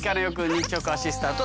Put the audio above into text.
日直アシスタント